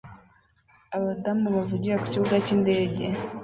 Abadamu bavugira ku kibuga cyindege